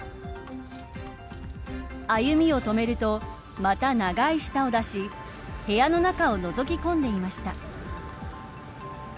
歩みを止めるとまた長い舌を出し部屋の中をのぞき込んでいました。